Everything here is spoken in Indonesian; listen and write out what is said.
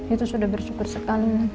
itu sudah bersyukur sekali